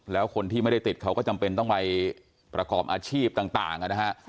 แล้วคนที่ไม่ได้ติดเขาก็จำเป็นต้องไปประกอบอาชีพต่างนะฮะ